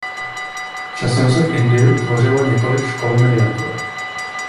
Časem se v Indii utvořilo několik škol miniatur.